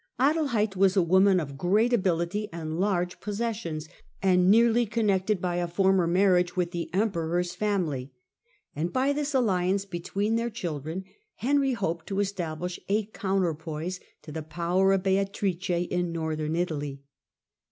Adelheid was a woman of great ability and large possessions, and nearly con nected by a foiTner marriage with the emperor's family, and by this alliance between their children Henry hoped to establish a counterpoise to the power of Beatrice in Northern Italy.